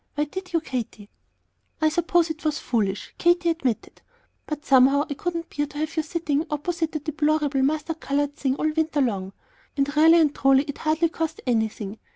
Why did you, Katy?" "I suppose it was foolish," Katy admitted; "but somehow I couldn't bear to have you sitting opposite that deplorable mustard colored thing all winter long. And really and truly it hardly cost anything.